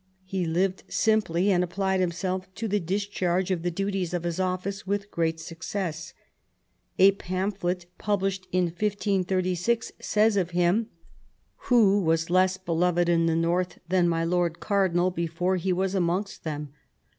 He lived simply, and applied himself to the discharge of the duties of his office with great success. A pamphlet published in 1536 says of him : "Who was less beloved in the north than my lord cardinal before he was amongst them?